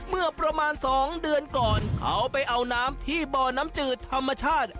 เมื่อประมาณ๒เดือนก่อนเขาไปเอาน้ำที่บ่อน้ำจืดธรรมชาติ